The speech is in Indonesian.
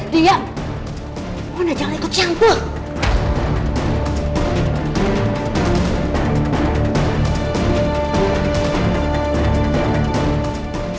diam mona jangan ikut contoh